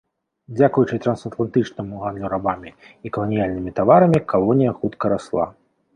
Дзякуючы трансатлантычнаму гандлю рабамі і каланіяльнымі таварамі калонія хутка расла.